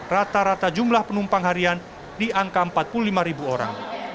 rata rata jumlah penumpang harian di angka empat puluh lima ribu orang